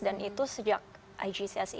dan itu sejak igcse